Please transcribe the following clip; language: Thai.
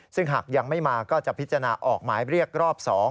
ซึ่งหากยังไม่มาก็จะพิจารณาออกหมายเรียกรอบ๒